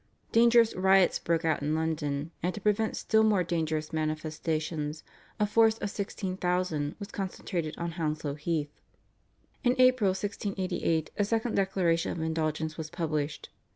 Dangerous riots broke out in London, and to prevent still more dangerous manifestations a force of 16,000 was concentrated on Hounslow Heath. In April 1688 a second Declaration of Indulgence was published.